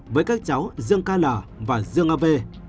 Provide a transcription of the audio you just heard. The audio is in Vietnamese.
với các cháu dương kl và dương av